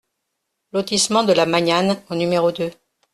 Lotissement de la Magnane au numéro deux